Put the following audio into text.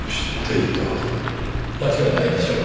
間違いないでしょう。